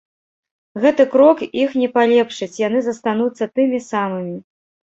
Гэты крок іх не палепшыць, яны застануцца тымі самымі.